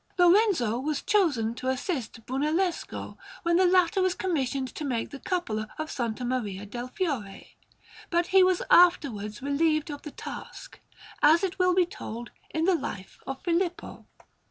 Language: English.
Lorenzo was chosen to assist Brunellesco, when the latter was commissioned to make the Cupola of S. Maria del Fiore, but he was afterwards relieved of the task, as it will be told in the Life of Filippo.